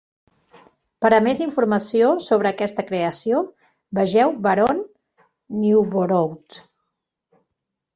Per a més informació sobre aquesta creació, vegeu Baron Newborough.